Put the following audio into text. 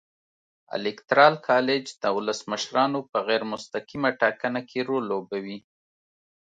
الېکترال کالج د ولسمشرانو په غیر مستقیمه ټاکنه کې رول لوبوي.